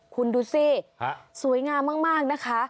คุณดูสิสวยงามมากนะคะ